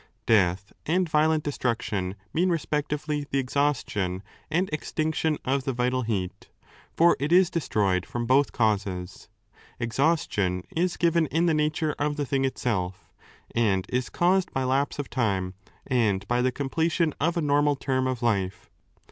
Death and violent destruction mean respectively the exhaustion ^ and extinction of the vital heat (for it is 479 ^ destroyed from both causes) ; exhaustion is given in the nature of the thing itself, and is caused by lapse of time 3 and by the completion of a normal term of life.